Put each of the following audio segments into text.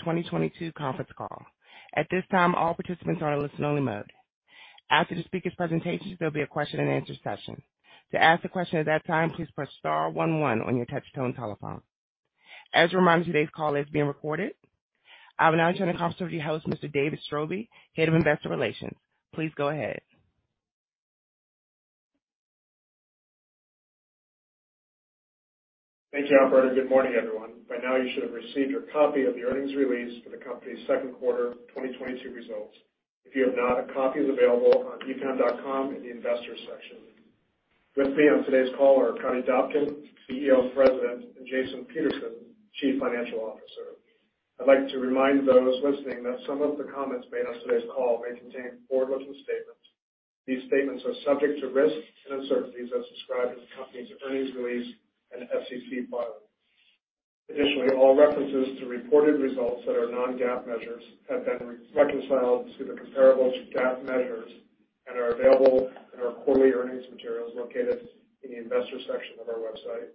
2022 conference call. At this time, all participants are in listen-only mode. After the speakers' presentations, there'll be a question-and-answer session. To ask the question at that time, please press star one one on your touch-tone telephone. As a reminder, today's call is being recorded. I will now turn the conference over to your host, Mr. David Straube, Head of Investor Relations. Please go ahead. Thank you, operator. Good morning, everyone. By now you should have received your copy of the earnings release for the company's second quarter 2022 results. If you have not, a copy is available on epam.com in the investor section. With me on today's call are Arkadiy Dobkin, CEO and President, and Jason Peterson, Chief Financial Officer. I'd like to remind those listening that some of the comments made on today's call may contain forward-looking statements. These statements are subject to risks and uncertainties as described in the company's earnings release and SEC filings. Additionally, all references to reported results that are non-GAAP measures have been reconciled to the comparable GAAP measures and are available in our quarterly earnings materials located in the investor section of our website.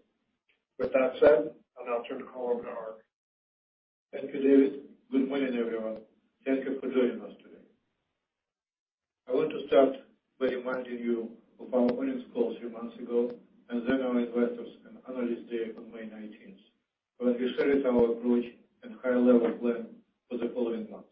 With that said, I'll now turn the call over to Ark. Thank you, David. Good morning, everyone. Thank you for joining us today. I want to start by reminding you of our earnings call three months ago, and then our Investors and Analysts Day on May 19th, where we shared our approach and high-level plan for the following months.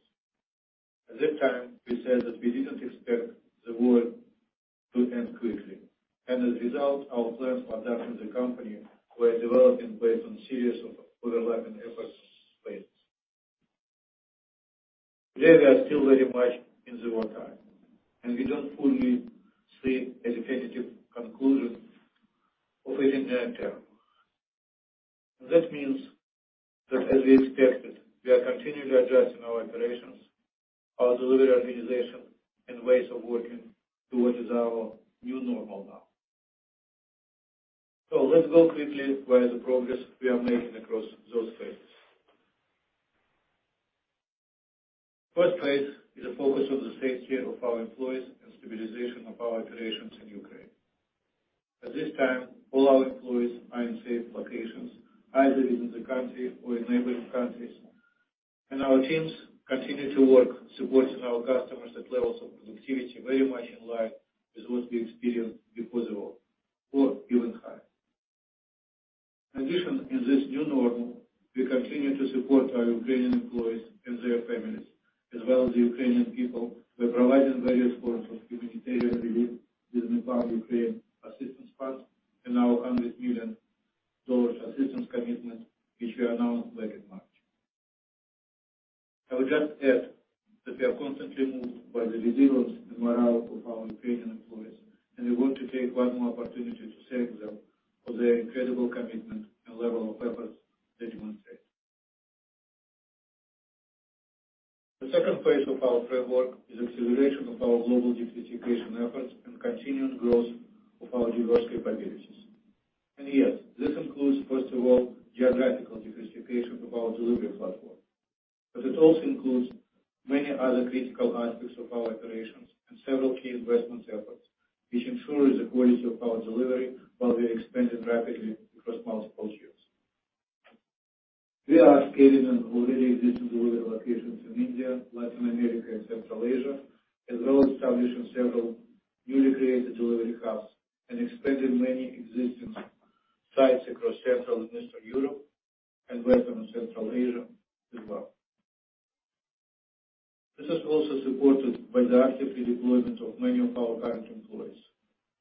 At that time, we said that we didn't expect the war to end quickly, and as a result, our plans for adapting the company were developing based on series of overlapping efforts phases. Today, we are still very much in the wartime, and we don't fully see a definitive conclusion of it in the near term. That means that as we expected, we are continually adjusting our operations, our delivery organization, and ways of working to what is our new normal now. Let's go quickly over the progress we are making across those phases. First phase is a focus on the safety of our employees and stabilization of our operations in Ukraine. At this time, all our employees are in safe locations, either within the country or in neighboring countries. Our teams continue to work supporting our customers at levels of productivity very much in line with what we experienced before the war or even higher. In addition, in this new normal, we continue to support our Ukrainian employees and their families, as well as the Ukrainian people. We're providing various forms of humanitarian relief with EPAM Ukraine Assistance Fund and our $100 million assistance commitment, which we announced back in March. I would just add that we are constantly moved by the resilience and morale of our Ukrainian employees, and we want to take one more opportunity to thank them for their incredible commitment and level of efforts they demonstrate. The second phase of our framework is acceleration of our global diversification efforts and continued growth of our diverse capabilities. Yes, this includes, first of all, geographical diversification of our delivery platform. It also includes many other critical aspects of our operations and several key investment efforts, which ensure the quality of our delivery while we expand it rapidly across multiple years. We are scaling in already existing delivery locations in India, Latin America, and Central Asia, as well as establishing several newly created delivery hubs and expanding many existing sites across Central and Eastern Europe and Western and Central Asia as well. This is also supported by the active redeployment of many of our current employees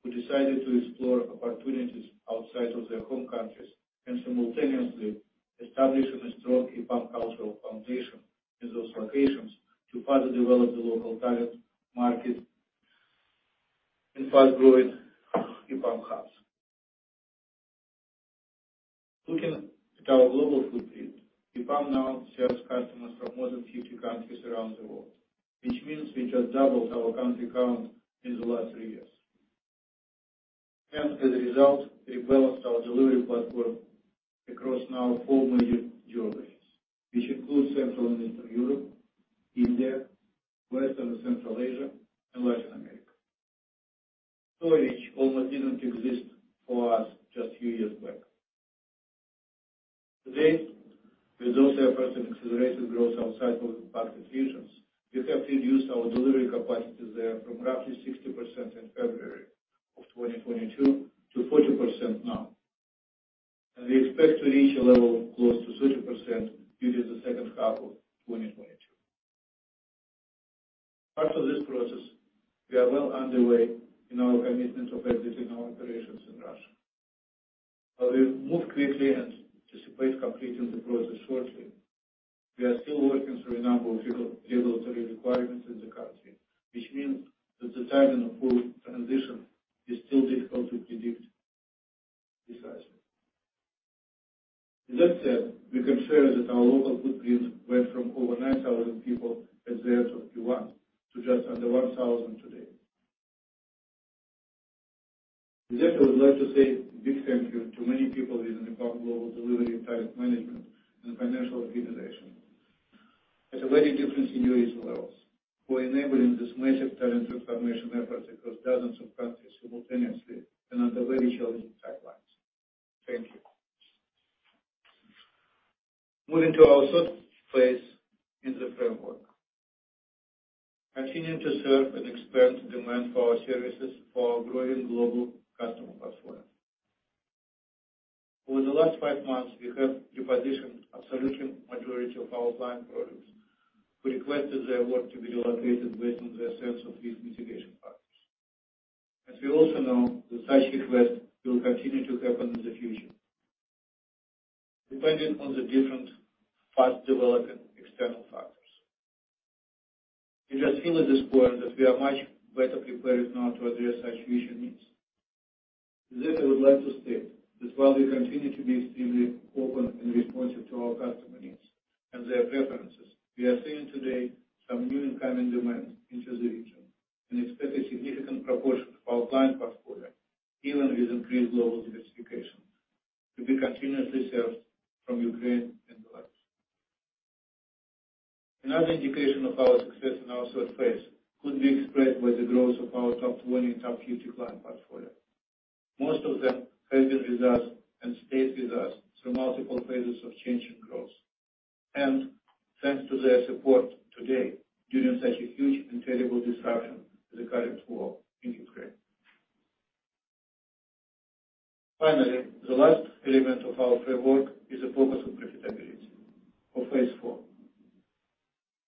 who decided to explore opportunities outside of their home countries and simultaneously establishing a strong EPAM cultural foundation in those locations to further develop the local talent market in fast-growing EPAM hubs. Looking at our global footprint, EPAM now serves customers from more than 50 countries around the world, which means we just doubled our country count in the last three years. As a result, rebalanced our delivery platform across now four major geographies, which includes Central and Eastern Europe, India, Western and Central Asia, and Latin America. Storage almost didn't exist for us just a few years back. Today, with those efforts and accelerated growth outside of impacted regions, we have reduced our delivery capacity there from roughly 60% in February of 2022 to 40% now. We expect to reach a level close to 30% during the second half of 2022. As for this process, we are well underway in our commitment of exiting our operations in Russia. While we move quickly and anticipate completing the process shortly, we are still working through a number of legal, regulatory requirements in the country, which means that the timing of full transition is still difficult to predict precisely. With that said, we can share that our local footprint went from over 9,000 people as of Q1 to just under 1,000 today. With that, I would like to say big thank you to many people within the EPAM global delivery talent management and financial organization at a very different seniority levels for enabling this massive talent transformation efforts across dozens of countries simultaneously and under very challenging timelines. Thank you. Moving to our third phase in the framework, continuing to serve and expand demand for our services for our growing global customer portfolio. Over the last five months, we have repositioned absolute majority of our clients who requested their work to be relocated based on their sense of risk mitigation factors. We know that such requests will continue to happen in the future depending on the different fast-developing external factors. We just feel at this point that we are much better prepared now to address such future needs. With this, I would like to state that while we continue to be extremely open and responsive to our customer needs and their preferences, we are seeing today some new incoming demand into the region, and expect a significant proportion of our client portfolio, even with increased global diversification, to be continuously served from Ukraine and Belarus. Another indication of our success in our third phase could be expressed by the growth of our top 20 and top 50 client portfolio. Most of them have been with us and stayed with us through multiple phases of change and growth. Thanks to their support today during such a huge and terrible disruption, the current war in Ukraine. Finally, the last element of our framework is a focus on profitability for phase four.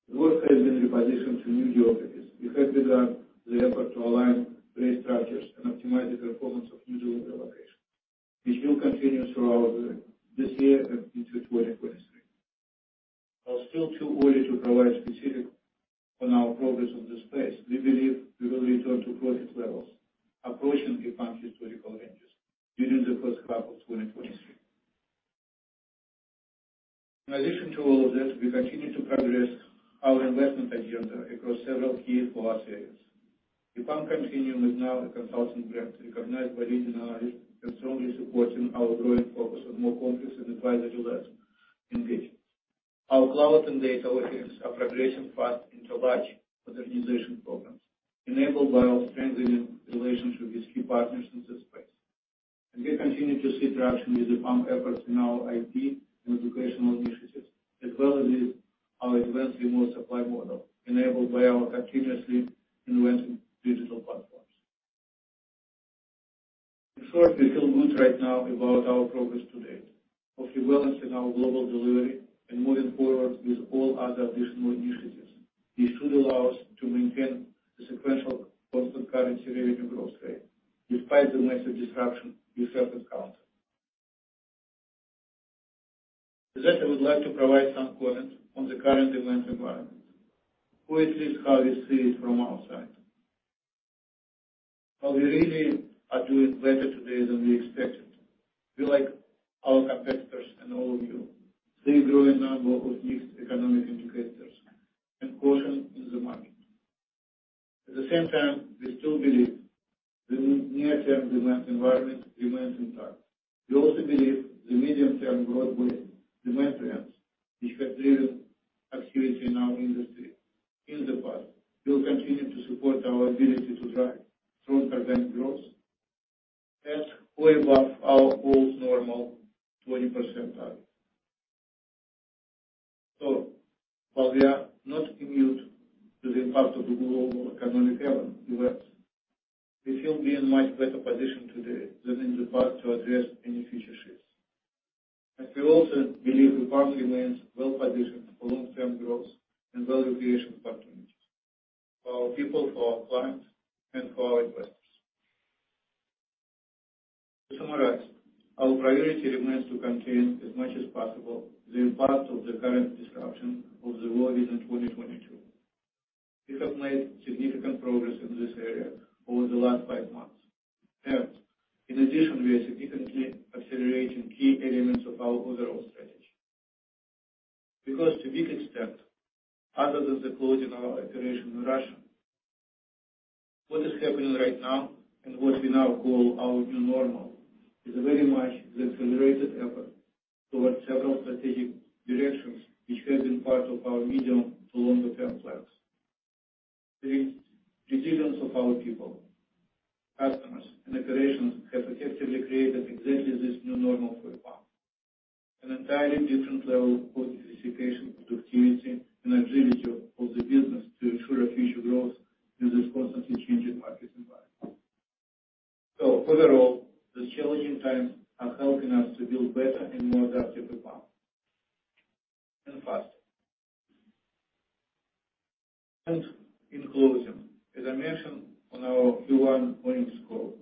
The work has been repositioned to new geographies. We have begun the effort to align rate structures and optimize the performance of new delivery locations, which will continue throughout this year and into 2023. While still too early to provide specifics on our progress on this phase, we believe we will return to profit levels approaching EPAM's historical ranges during the first half of 2023. In addition to all of this, we continue to progress our investment agenda across several key areas for us. EPAM Continuum is now a consulting brand recognized by leading analysts and strongly supporting our growing focus on more complex and advisory-led engagement. Our cloud and data offerings are progressing fast into large organization programs enabled by our strengthening relationship with key partners in this space. We continue to see traction with EPAM efforts in our IP and educational initiatives, as well as our advanced remote supply model enabled by our continuously inventing digital platforms. Of course, we feel good right now about our progress to date of rebalancing our global delivery and moving forward with all other additional initiatives. This should allow us to maintain the sequential constant currency revenue growth rate despite the massive disruption we suffered in Ukraine. With that, I would like to provide some comments on the current demand environment, or at least how we see it from our side. While we really are doing better today than we expected, we, like our competitors and all of you, see a growing number of mixed economic indicators and caution in the market. At the same time, we still believe the near-term demand environment remains intact. We also believe the medium-term growth within demand trends, which have driven activity in our industry in the past, will continue to support our ability to drive stronger than growth at way above our old normal 20%. While we are not immune to the impact of the global economic events, we will be in much better position today than in the past to address any future shifts. We also believe EPAM remains well-positioned for long-term growth and value creation opportunities for our people, for our clients, and for our investors. To summarize, our priority remains to contain as much as possible the impact of the current disruption of the war within 2022. We have made significant progress in this area over the last five months. Third, in addition, we are significantly accelerating key elements of our overall strategy. Because, to a big extent, other than the closing of our operation in Russia, what is happening right now and what we now call our new normal is very much the accelerated effort towards several strategic directions which have been part of our medium- to long-term plans. The resilience of our people, customers, and operations have effectively created exactly this new normal for EPAM, an entirely different level of cost efficiency, productivity, and agility of the business to ensure our future growth in this constantly changing market environment. Overall, these challenging times are helping us to build better and more adaptive EPAM, and fast. In closing, as I mentioned on our Q1 earnings call,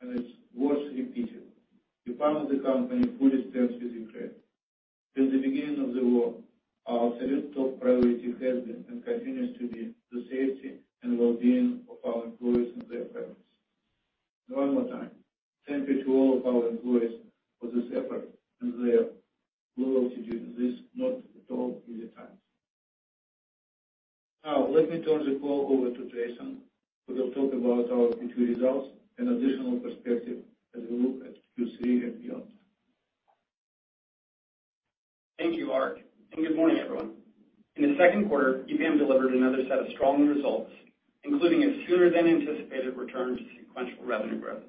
and it's worth repeating, EPAM as a company fully stands with Ukraine. Since the beginning of the war, our absolute top priority has been and continues to be the safety and well-being of our employees and their families. One more time, thank you to all of our employees for this effort and their loyalty during these not at all easy times. Now let me turn the call over to Jason, who will talk about our Q2 results and additional perspective as we look at Q3 and beyond. Thank you, Ark, and good morning, everyone. In the second quarter, EPAM delivered another set of strong results, including a sooner than anticipated return to sequential revenue growth.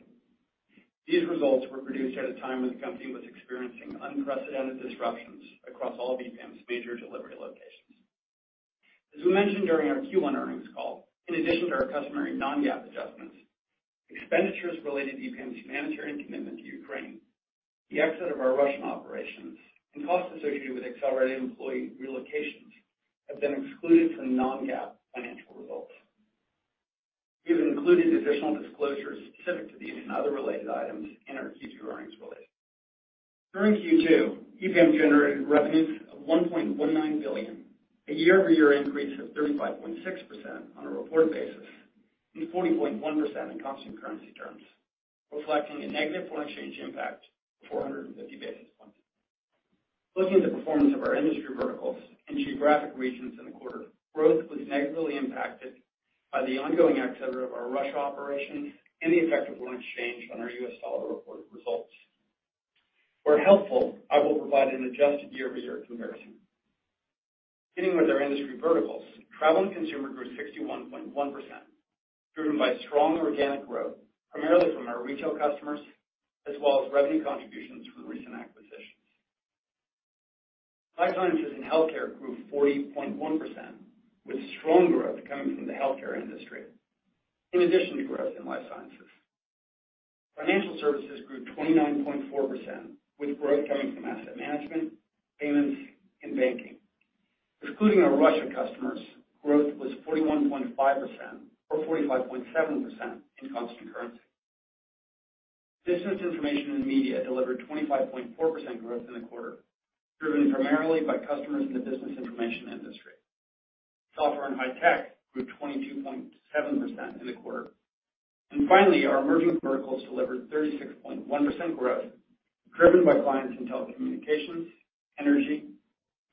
These results were produced at a time when the company was experiencing unprecedented disruptions across all of EPAM's major delivery locations. As we mentioned during our Q1 earnings call, in addition to our customary non-GAAP adjustments, expenditures related to EPAM's humanitarian commitment to Ukraine, the exit of our Russian operations, and costs associated with accelerated employee relocations have been excluded from non-GAAP financial results. We have included additional disclosures specific to these and other related items in our Q2 earnings release. During Q2, EPAM generated revenues of $1.19 billion, a year-over-year increase of 35.6% on a reported basis, and 40.1% in constant currency terms, reflecting a negative foreign exchange impact of 450 basis points. Looking at the performance of our industry verticals and geographic regions in the quarter, growth was negatively impacted by the ongoing exit of our Russia operation and the effect of foreign exchange on our U.S. dollar reported results. Where helpful, I will provide an adjusted year-over-year comparison. Beginning with our industry verticals, travel and consumer grew 61.1%, driven by strong organic growth, primarily from our retail customers, as well as revenue contributions from recent acquisitions. Life sciences and healthcare grew 40.1%, with strong growth coming from the healthcare industry, in addition to growth in life sciences. Financial services grew 29.4%, with growth coming from asset management, payments, and banking. Excluding our Russia customers, growth was 41.5% or 45.7% in constant currency. Business information and media delivered 25.4% growth in the quarter, driven primarily by customers in the business information industry. Software and high tech grew 22.7% in the quarter. Finally, our emerging verticals delivered 36.1% growth, driven by clients in telecommunications, energy,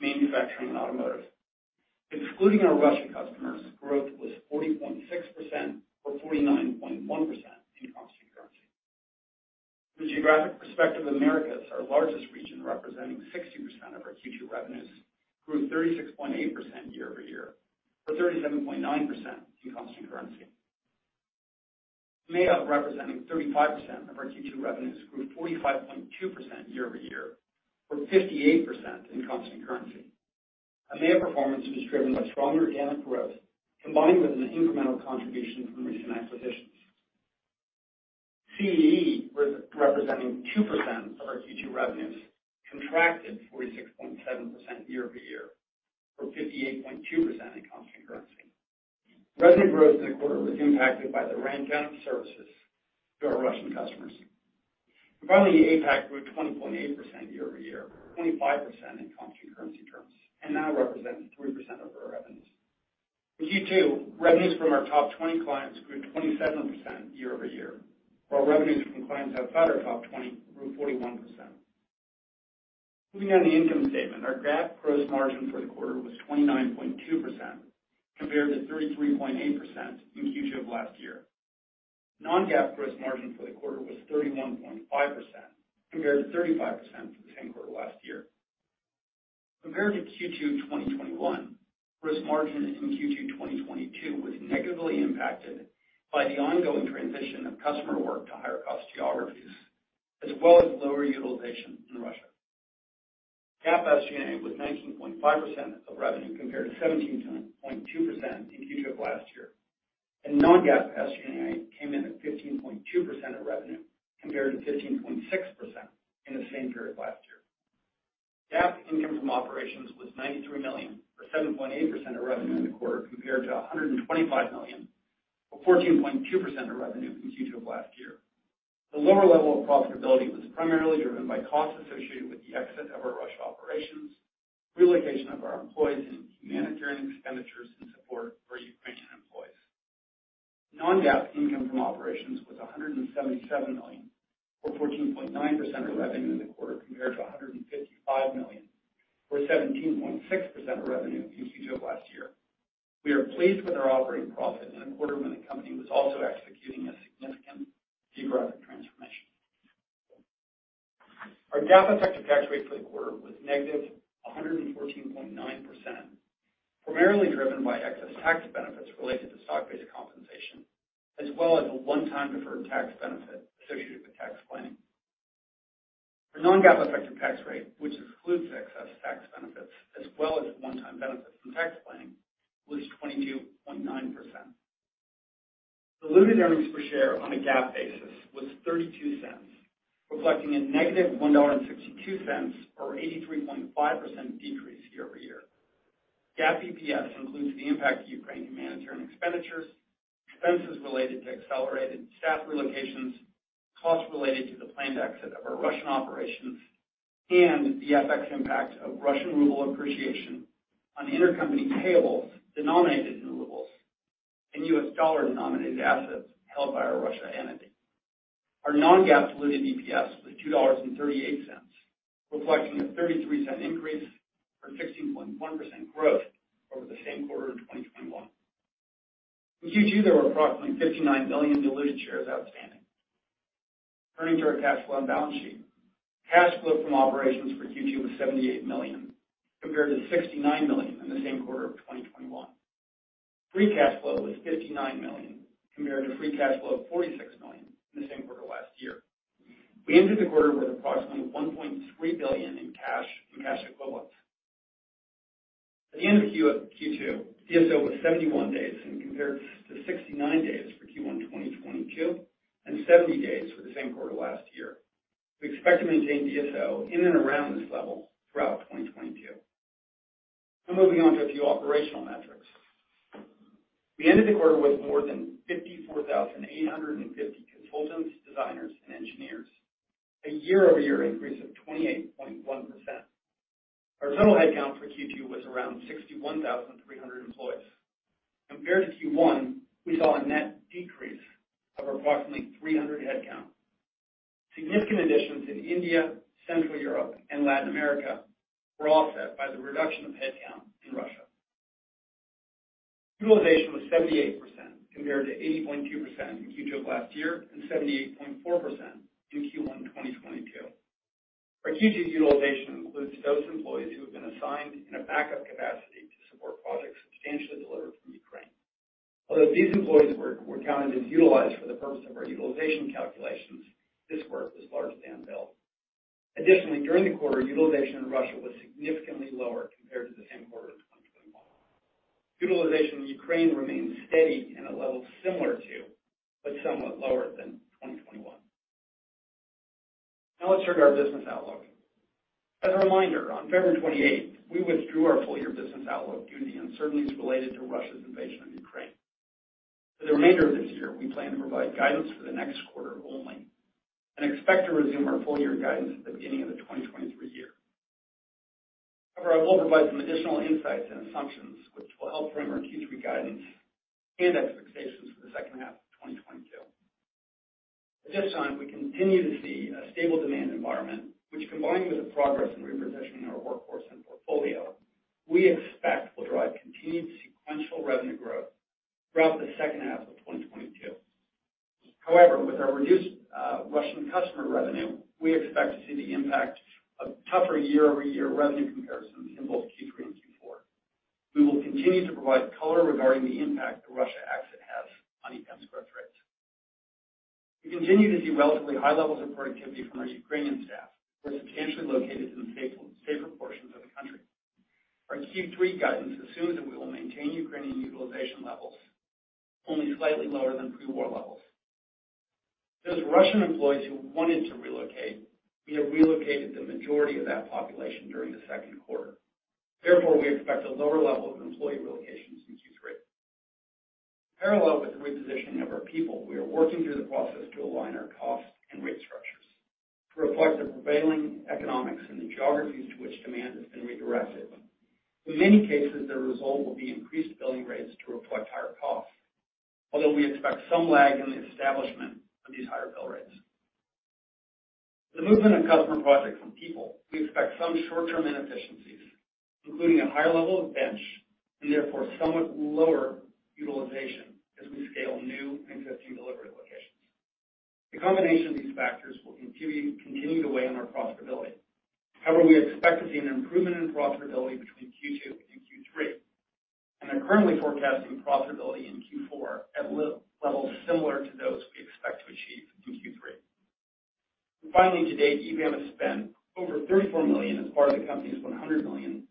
manufacturing, and automotive. Excluding our Russian customers, growth was 40.6% or 49.1% in constant currency. From a geographic perspective, Americas, our largest region representing 60% of our Q2 revenues, grew 36.8% year-over-year, or 37.9% in constant currency. EMEA, representing 35% of our Q2 revenues, grew 45.2% year-over-year, or 58% in constant currency. EMEA performance was driven by strong organic growth combined with an incremental contribution from recent acquisitions. CEE representing 2% of our Q2 revenues contracted 46.7% year-over-year, or 58.2% in constant currency. Revenue growth in the quarter was impacted by the winding down of services to our Russian customers. Finally, APAC grew 20.8% year-over-year, 25% in constant currency terms, and now represents 3% of our revenues. In Q2, revenues from our top 20 clients grew 27% year-over-year, while revenues from clients outside our top 20 grew 41%. Moving on to the income statement. Our GAAP gross margin for the quarter was 29.2% compared to 33.8% in Q2 of last year. Non-GAAP gross margin for the quarter was 31.5% compared to 35% for the same quarter last year. Compared to Q2 2021, gross margin in Q2 2022 was negatively impacted by the ongoing transition of customer work to higher cost geographies as well as lower utilization in Russia. GAAP SG&A was 19.5% of revenue compared to 17.2% in Q2 of last year. Non-GAAP SG&A came in at 15.2% of revenue compared to 15.6% in the same period last year. GAAP income from operations was $93 million, or 7.8% of revenue in the quarter, compared to $125 million, or 14.2% of revenue in Q2 of last year. The lower level of profitability was primarily driven by costs associated with the exit of our Russia operations, relocation of our employees, and humanitarian expenditures in support for Ukrainian employees. Non-GAAP income from operations was $177 million, or 14.9% of revenue in the quarter, compared to $155 million or 17.6% of revenue in Q2 of last year. We are pleased with our operating profit in a quarter when the company was also executing a significant geographic transformation. Our GAAP effective tax rate for the quarter was -114.9%, primarily driven by excess tax benefits related to stock-based compensation, as well as a one-time deferred tax benefit associated with tax planning. Our non-GAAP effective tax rate, which excludes excess tax benefits as well as one-time benefits from tax planning, was 22.9%. Diluted earnings per share on a GAAP basis was $0.32, reflecting a -$1.62 or 83.5% decrease year-over-year. GAAP EPS includes the impact of Ukraine humanitarian expenditures, expenses related to accelerated staff relocations, costs related to the planned exit of our Russian operations, and the FX impact of Russian ruble appreciation on intercompany payables denominated in and U.S. dollar denominated assets held by our Russian entity. Our non-GAAP diluted EPS was $2.38, reflecting a $0.33 increase or 16.1% growth over the same quarter in 2021. In Q2, there were approximately 59 million diluted shares outstanding. Turning to our cash flow and balance sheet. Cash flow from operations for Q2 was $78 million, compared to $69 million in the same quarter of 2021. Free cash flow was $59 million, compared to free cash flow of $46 million in the same quarter last year. We ended the quarter with approximately $1.3 billion in cash and cash equivalents. At the end of Q2, DSO was 71 days, compared to 69 days for Q1 2022, and 70 days for the same quarter last year. We expect to maintain DSO in and around this level throughout 2022. Now moving on to a few operational metrics. We ended the quarter with more than 54,850 consultants, designers, and engineers, a year-over-year increase of 28.1%. Our total headcount for Q2 was around 61,300 employees. Compared to Q1, we saw a net decrease of approximately 300 headcount. Significant additions in India, Central Europe, and Latin America were offset by the reduction of headcount in Russia. Utilization was 78% compared to 80.2% in Q2 of last year and 78.4% in Q1 2022. Our Q2 utilization includes those employees who have been assigned in a backup capacity to support projects substantially delivered from Ukraine. Although these employees were counted as utilized for the purpose of our utilization calculations, this work was largely unbilled. Additionally, during the quarter, utilization in Russia was significantly lower compared to the same quarter of 2021. Utilization in Ukraine remains steady and at levels similar to, but somewhat lower than 2021. Now let's turn to our business outlook. As a reminder, on February 28, we withdrew our full-year business outlook due to the uncertainties related to Russia's invasion of Ukraine. For the remainder of this year, we plan to provide guidance for the next quarter only, and expect to resume our full year guidance at the beginning of the 2023 year. However, I will provide some additional insights and assumptions which will help frame our Q3 guidance and expectations for the second half of 2022. At this time, we continue to see a stable demand environment, which, combined with the progress in repositioning our workforce and portfolio, we expect will drive continued sequential revenue growth throughout the second half of 2022. However, with our reduced Russian customer revenue, we expect to see the impact of tougher year-over-year revenue comparisons in both Q3 and Q4. We will continue to provide color regarding the impact the Russia exit has on EPAM's rates. We continue to see relatively high levels of productivity from our Ukrainian staff. We're substantially located in the safer portions of the country. Our Q3 guidance assumes that we will maintain Ukrainian utilization levels only slightly lower than pre-war levels. Those Russian employees who wanted to relocate, we have relocated the majority of that population during the second quarter. Therefore, we expect a lower level of employee relocations in Q3. Parallel with the repositioning of our people, we are working through the process to align our costs and rate structures to reflect the prevailing economics in the geographies to which demand has been redirected. In many cases, the result will be increased billing rates to reflect higher costs, although we expect some lag in the establishment of these higher bill rates. The movement of customer projects from people, we expect some short-term inefficiencies, including a higher level of bench and therefore somewhat lower utilization as we scale new and existing delivery locations. The combination of these factors will continue to weigh on our profitability. However, we expect to see an improvement in profitability between Q2 and Q3, and are currently forecasting profitability in Q4 at levels similar to those we expect to achieve in Q3. Finally, to date, EPAM has spent over $34 million as part of the company's $100 million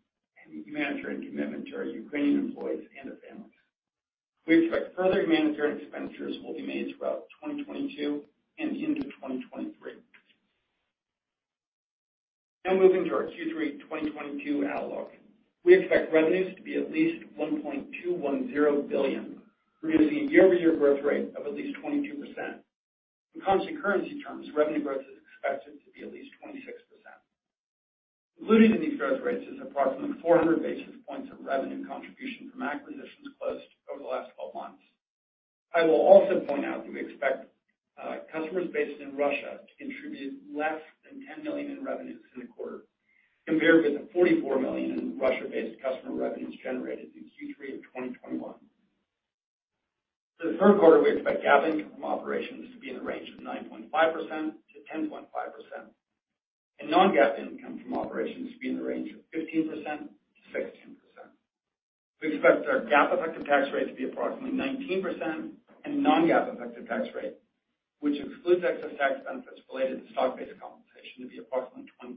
humanitarian commitment to our Ukrainian employees and their families. We expect further humanitarian expenditures will be made throughout 2022 and into 2023. Now moving to our Q3 2022 outlook. We expect revenues to be at least $1.210 billion, producing a year-over-year growth rate of at least 22%. In constant currency terms, revenue growth is expected to be at least 26%. Included in these growth rates is approximately 400 basis points of revenue contribution from acquisitions closed over the last 12 months. I will also point out that we expect customers based in Russia to contribute less than $10 million in revenues in the quarter, compared with the $44 million in Russia-based customer revenues generated in Q3 of 2021. For the third quarter, we expect GAAP income from operations to be in the range of 9.5%-10.5%, and non-GAAP income from operations to be in the range of 15%-16%. We expect our GAAP effective tax rate to be approximately 19% and non-GAAP effective tax rate, which excludes excess tax benefits related to stock-based compensation, to be approximately 22%.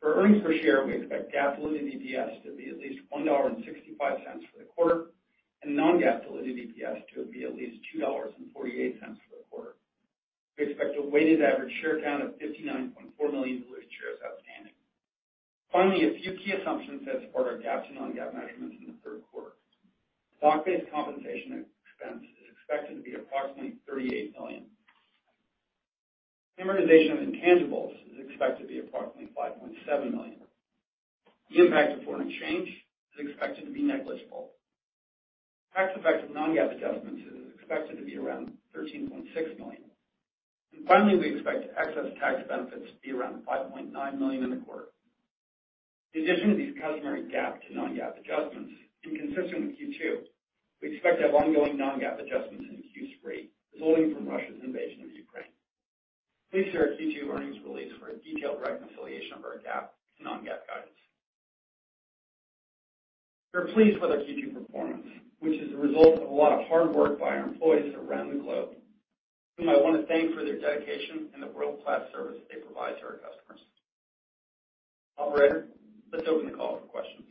For earnings per share, we expect GAAP diluted EPS to be at least $1.65 for the quarter, and non-GAAP diluted EPS to be at least $2.48 for the quarter. We expect a weighted average share count of 59.4 million diluted shares outstanding. Finally, a few key assumptions that support our GAAP to non-GAAP measurements in the third quarter. Stock-based compensation $38 million. Amortization of intangibles is expected to be approximately $5.7 million. The impact of foreign exchange is expected to be negligible. Tax effect of non-GAAP adjustments is expected to be around $13.6 million. Finally, we expect excess tax benefits to be around $5.9 million in the quarter. In addition to these customary GAAP to non-GAAP adjustments, and consistent with Q2, we expect to have ongoing non-GAAP adjustments in Q3 resulting from Russia's invasion of Ukraine. Please see our Q2 earnings release for a detailed reconciliation of our GAAP to non-GAAP guidance. We're pleased with our Q2 performance, which is the result of a lot of hard work by our employees around the globe, whom I want to thank for their dedication and the world-class service they provide to our customers. Operator, let's open the call for questions.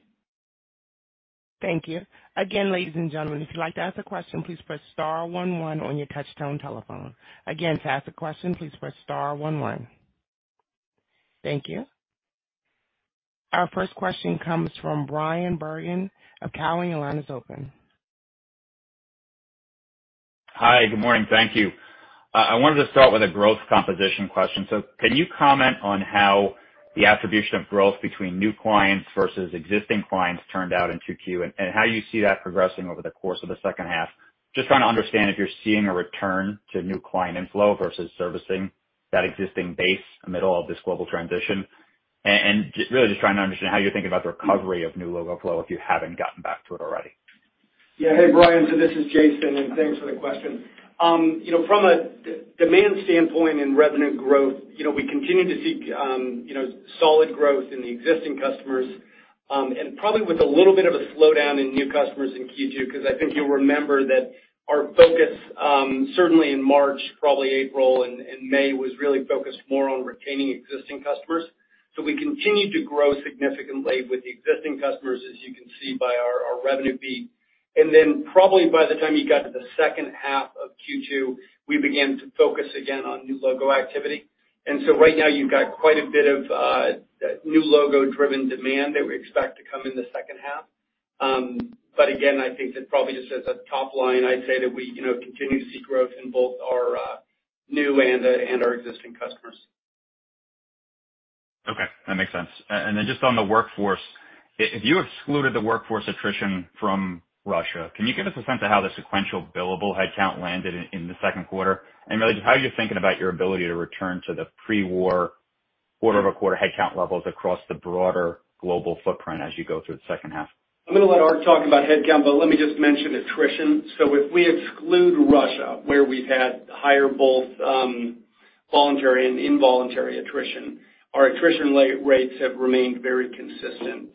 Thank you. Again, ladies and gentlemen, if you'd like to ask a question, please press star one one on your touchtone telephone. Again, to ask a question, please press star one one. Thank you. Our first question comes from Bryan Bergin of Cowen. Your line is open. Hi, good morning. Thank you. I wanted to start with a growth composition question. So can you comment on how the attribution of growth between new clients versus existing clients turned out in 2Q and how you see that progressing over the course of the second half? Just trying to understand if you're seeing a return to new client inflow versus servicing that existing base in the middle of this global transition. Really just trying to understand how you're thinking about the recovery of new logo flow, if you haven't gotten back to it already. Hey, Bryan, so this is Jason, and thanks for the question. You know, from a demand standpoint in revenue growth, you know, we continue to see, you know, solid growth in the existing customers, and probably with a little bit of a slowdown in new customers in Q2, 'cause I think you'll remember that our focus, certainly in March, probably April and May, was really focused more on retaining existing customers. We continued to grow significantly with the existing customers, as you can see by our revenue fee. Then probably by the time you got to the second half of Q2, we began to focus again on new logo activity. Right now you've got quite a bit of new logo driven demand that we expect to come in the second half. Again, I think that probably just as a top line, I'd say that we, you know, continue to see growth in both our, and our existing customers. Okay, that makes sense. Just on the workforce, if you excluded the workforce attrition from Russia, can you give us a sense of how the sequential billable headcount landed in the second quarter? Really how you're thinking about your ability to return to the pre-war quarter-over-quarter headcount levels across the broader global footprint as you go through the second half. I'm gonna let Ark talk about headcount, but let me just mention attrition. If we exclude Russia, where we've had higher both voluntary and involuntary attrition, our attrition rates have remained very consistent,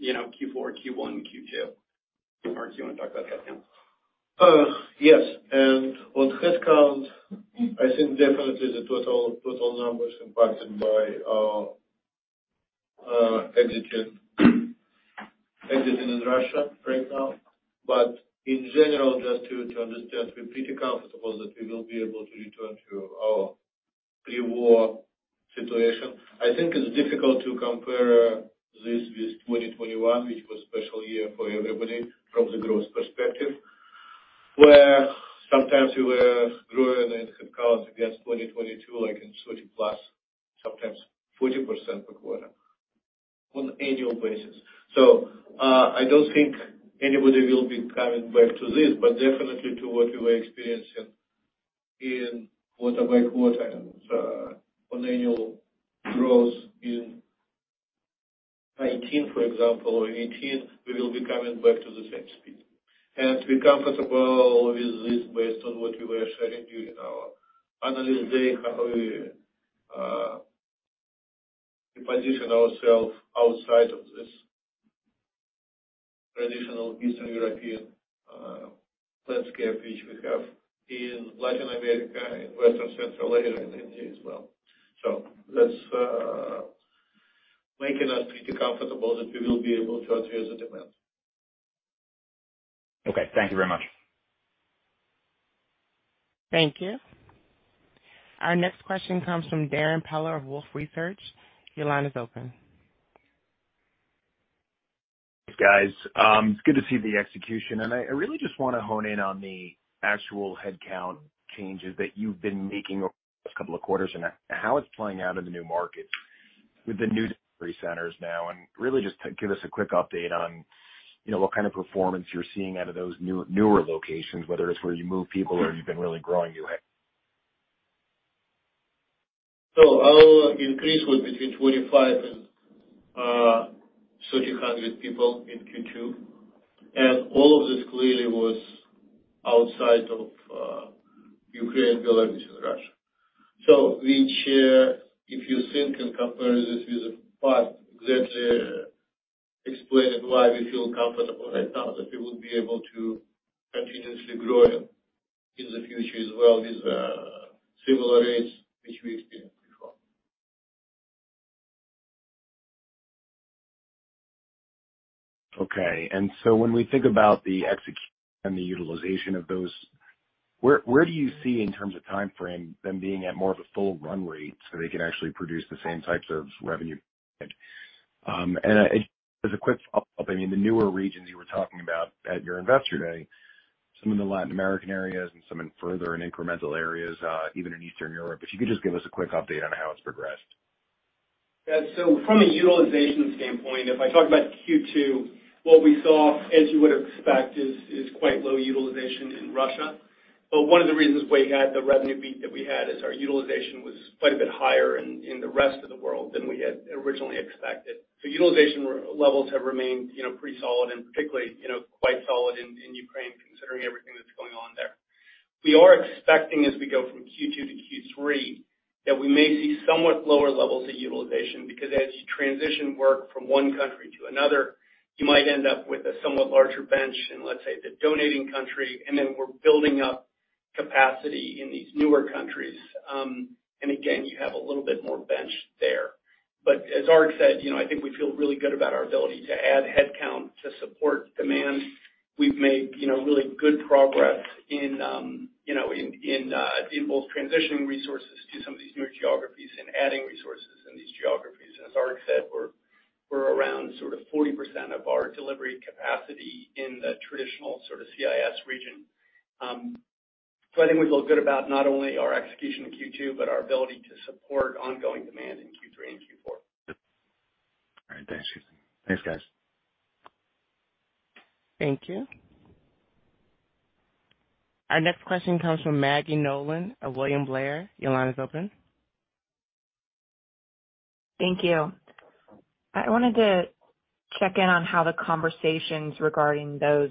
you know, Q4, Q1, Q2. Ark, do you wanna talk about headcount? Yes. On headcount, I think definitely the total number is impacted by exiting in Russia right now. In general, just to understand, we're pretty comfortable that we will be able to return to our pre-war situation. I think it's difficult to compare this with 2021, which was special year for everybody from the growth perspective, where sometimes we were growing in headcounts against 2022, like in 30+, sometimes 40% per quarter on annual basis. I don't think anybody will be coming back to this, but definitely to what we were experiencing in quarter by quarter. On annual growth in 2019, for example, or 2018, we will be coming back to the same speed. We're comfortable with this based on what we were sharing during our analyst day, how we position ourself outside of this traditional Eastern European landscape, which we have in Latin America, in Western Central area, and India as well. That's making us pretty comfortable that we will be able to achieve the demand. Okay, thank you very much. Thank you. Our next question comes from Darrin Peller of Wolfe Research. Your line is open. Guys, it's good to see the execution. I really just wanna hone in on the actual headcount changes that you've been making over the last couple of quarters and how it's playing out in the new market with the new delivery centers now. Really just to give us a quick update on, you know, what kind of performance you're seeing out of those new, newer locations, whether it's where you move people or you've been really growing new head. Our increase was between 2,500 and 3,000 people in Q2, and all of this clearly was outside of Ukraine, Belarus and Russia. We share, if you think and compare this with the past, exactly, explain why we feel comfortable right now that we will be able to continuously grow in the future as well with similar rates which we experienced before. Okay. When we think about the execution and the utilization of those, where do you see in terms of timeframe them being at more of a full run rate, so they can actually produce the same types of revenue per head? As a quick follow-up, I mean, the newer regions you were talking about at your investor day, some of the Latin American areas and some in further incremental areas, even in Eastern Europe, if you could just give us a quick update on how it's progressed. Yeah. From a utilization standpoint, if I talk about Q2, what we saw, as you would expect, is quite low utilization in Russia. One of the reasons we had the revenue beat that we had is our utilization was quite a bit higher in the rest of the world than we had originally expected. Utilization levels have remained, you know, pretty solid, and particularly, you know, quite solid in Ukraine, considering everything that's going on there. We are expecting as we go from Q2 to Q3, that we may see somewhat lower levels of utilization because as you transition work from one country to another, you might end up with a somewhat larger bench in, let's say, the donating country, and then we're building up capacity in these newer countries. Again, you have a little bit more bench there. As Ark said, you know, I think we feel really good about our ability to add headcount to support demand. We've made, you know, really good progress in both transitioning resources to some of these new geographies and adding resources in these geographies. As Ark said, we're around sort of 40% of our delivery capacity in the traditional sort of CIS region. I think we feel good about not only our execution in Q2, but our ability to support ongoing demand in Q3 and Q4. All right. Thanks. Thanks, guys. Thank you. Our next question comes from Maggie Nolan of William Blair. Your line is open. Thank you. I wanted to check in on how the conversations regarding those,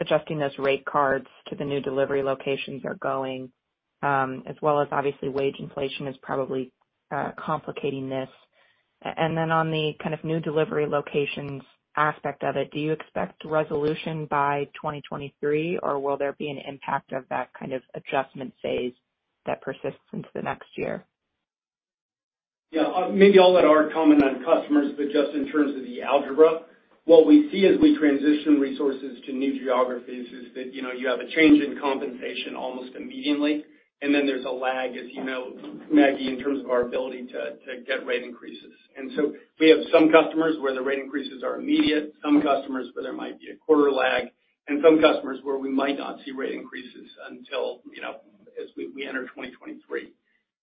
adjusting those rate cards to the new delivery locations are going, as well as obviously wage inflation is probably complicating this. On the kind of new delivery locations aspect of it, do you expect resolution by 2023, or will there be an impact of that kind of adjustment phase that persists into the next year? Yeah. Maybe I'll let Ark comment on customers, but just in terms of the algebra, what we see as we transition resources to new geographies is that, you know, you have a change in compensation almost immediately, and then there's a lag, as you know, Maggie, in terms of our ability to get rate increases. We have some customers where the rate increases are immediate, some customers where there might be a quarter lag, and some customers where we might not see rate increases until, you know, as we enter 2023.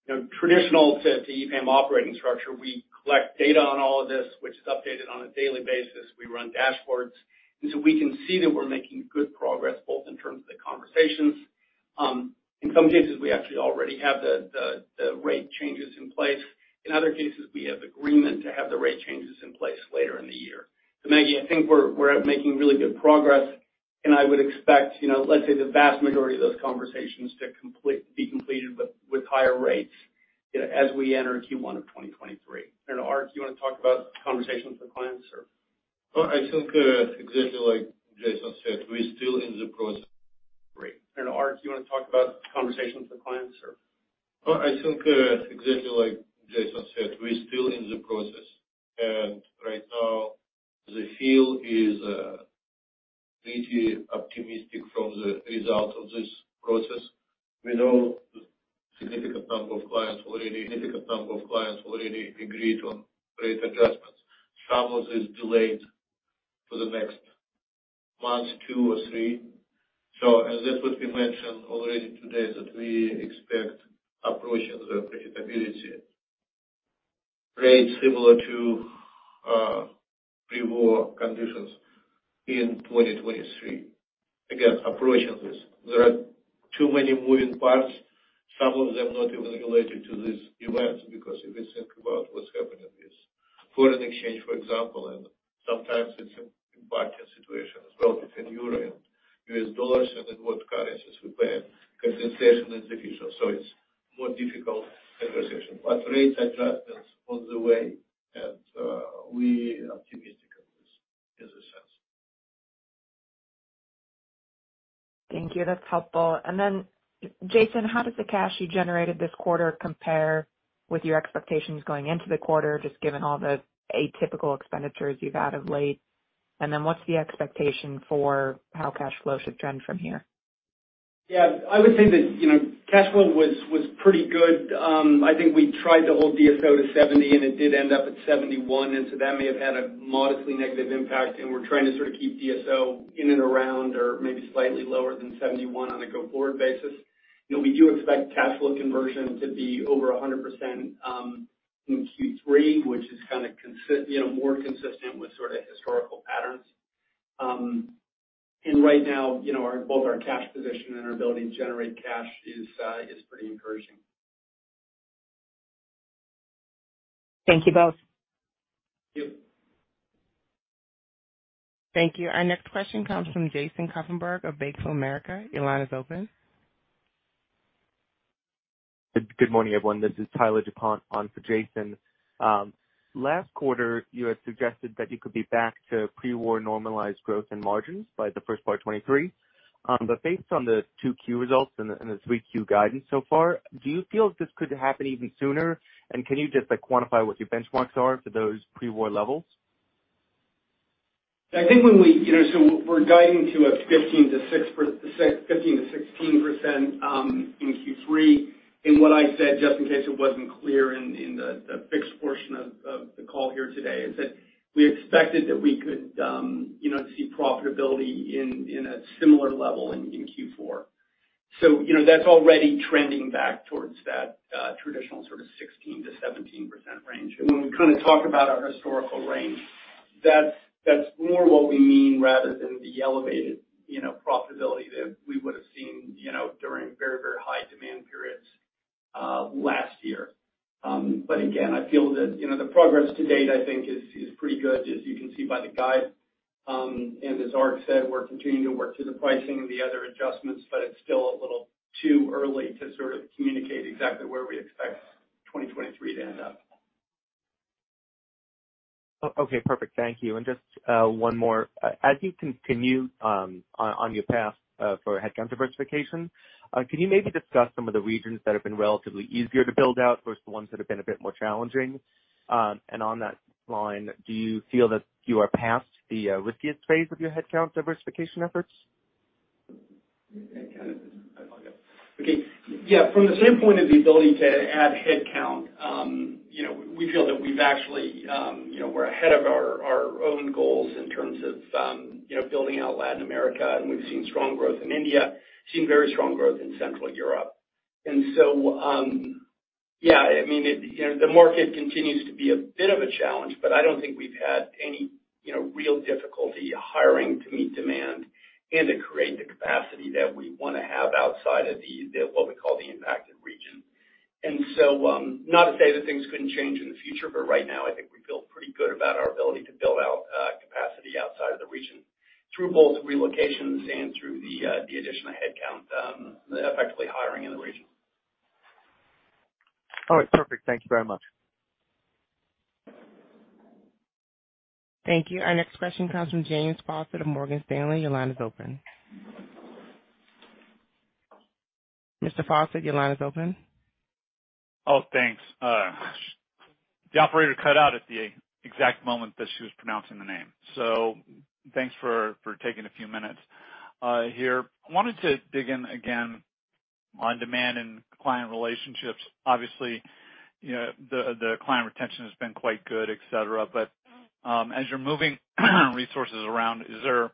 You know, traditional to EPAM operating structure, we collect data on all of this, which is updated on a daily basis. We run dashboards. We can see that we're making good progress, both in terms of the conversations. In some cases, we actually already have the rate changes in place. In other cases, we have agreement to have the rate changes in place later in the year. Maggie, I think we're making really good progress. I would expect, you know, let's say the vast majority of those conversations to be completed with higher rates, you know, as we enter Q1 of 2023. Ark, do you wanna talk about conversations with clients or? Well, I think, exactly like Jason said, we're still in the process. Great. Ark, do you wanna talk about conversations with clients or? Well, I think exactly like Jason said, we're still in the process. Right now, the feel is pretty optimistic from the results of this process. We know a significant number of clients already agreed on rate adjustments. Some of this delayed for the next month, two, or three. As that would be mentioned already today, that we expect approaching the profitability rate similar to pre-war conditions in 2023. Again, approaching this. There are too many moving parts, some of them not even related to this event, because if you think about what's happening is foreign exchange, for example, and sometimes it's a market situation as well between Euro and U.S. dollars and then what currencies we pay. Compensation is the issue. It's more difficult conversation. Rate adjustments on the way, and we are optimistic of this in a sense. Thank you. That's helpful. Jason, how does the cash you generated this quarter compare with your expectations going into the quarter, just given all the atypical expenditures you've had of late? What's the expectation for how cash flow should trend from here? Yeah. I would say that, you know, cash flow was pretty good. I think we tried to hold DSO to 70, and it did end up at 71, and so that may have had a modestly negative impact, and we're trying to sort of keep DSO in and around or maybe slightly lower than 71 on a go-forward basis. You know, we do expect cash flow conversion to be over 100% in Q3, which is kinda you know, more consistent with sorta historical patterns. Right now, you know, both our cash position and our ability to generate cash is pretty encouraging. Thank you both. Thank you. Thank you. Our next question comes from Jason Kupferberg of Bank of America. Your line is open. Good morning, everyone. This is Tyler DuPont on for Jason. Last quarter, you had suggested that you could be back to pre-war normalized growth and margins by the first part of 2023. But based on the 2Q results and the 3Q guidance so far, do you feel this could happen even sooner? Can you just like quantify what your benchmarks are for those pre-war levels? I think when we, you know, we're guiding to 15%-16% in Q3. What I said, just in case it wasn't clear in the fixed portion of the call here today, is that we expected that we could, you know, see profitability in a similar level in Q4. You know, that's already trending back towards that traditional sort of 16%-17% range. When we kind of talk about our historical range, that's more what we mean, rather than the elevated, you know, profitability that we would have seen, you know, during very, very high demand periods last year. Again, I feel that, you know, the progress to date, I think is pretty good as you can see by the guide. as Ark said, we're continuing to work through the pricing and the other adjustments, but it's still a little too early to sort of communicate exactly where we expect 2023 to end up. Okay, perfect. Thank you. Just one more. As you continue on your path for headcount diversification, can you maybe discuss some of the regions that have been relatively easier to build out versus the ones that have been a bit more challenging? On that line, do you feel that you are past the riskiest phase of your headcount diversification efforts? Okay. Yeah. From the standpoint of the ability to add headcount, you know, we feel that we've actually, you know, we're ahead of our own goals in terms of, you know, building out Latin America, and we've seen strong growth in India. Seen very strong growth in Central Europe. Yeah, I mean, it, you know, the market continues to be a bit of a challenge, but I don't think we've had any, you know, real difficulty hiring to meet demand and to create the capacity that we wanna have outside of the what we call the impacted region. Not to say that things couldn't change in the future, but right now, I think we feel pretty good about our ability to build out capacity outside of the region through both relocations and through the additional headcount, effectively hiring in the region. All right, perfect. Thank you very much. Thank you. Our next question comes from James Faucette of Morgan Stanley. Your line is open. Mr. Faucette, your line is open. Oh, thanks. The operator cut out at the exact moment that she was pronouncing the name. Thanks for taking a few minutes here. Wanted to dig in again on demand and client relationships. Obviously, you know, the client retention has been quite good, et cetera. As you're moving resources around, is there.